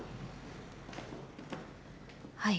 はい。